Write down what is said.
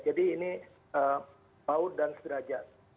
jadi ini paud dan sederajat